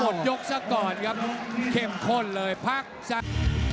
หมดยกซะก่อนครับเข้มข้นเลยพักสัก